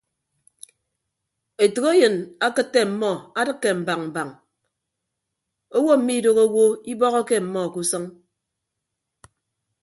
Etәkeyịn akịtte ọmmọ adịkke mbañ mbañ owo mmidooho owo ibọhọke ọmmọ ke usʌñ.